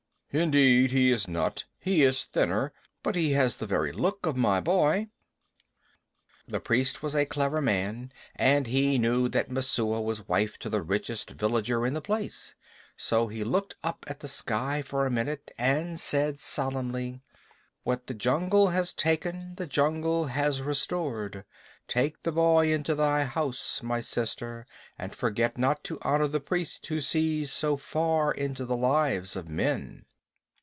"Indeed he is not. He is thinner, but he has the very look of my boy." The priest was a clever man, and he knew that Messua was wife to the richest villager in the place. So he looked up at the sky for a minute and said solemnly: "What the jungle has taken the jungle has restored. Take the boy into thy house, my sister, and forget not to honor the priest who sees so far into the lives of men."